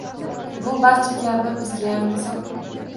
Bu barcha kabi bizgayam qiziq!